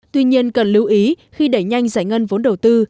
tuy nhiên cần lưu ý khi đẩy nhanh giải ngân vốn đầu tư